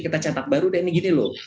kita cetak baru deh ini gini loh